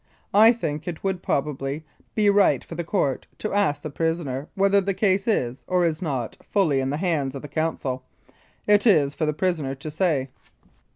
I think it would probably be right for the Court to ask the prisoner whether the case is or is not fully in the hands of the counsel. It is for the prisoner to say.